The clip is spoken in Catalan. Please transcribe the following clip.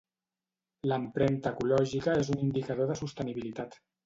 L'empremta ecològica és un indicador de sostenibilitat.